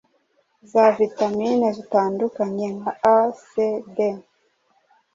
za vitamin zitandukanye nka a,c,d